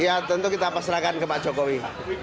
ya tentu kita pasrahkan ke pak jokowi